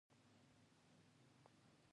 او ويل به يې چې دا هسې خوشې خبرې دي.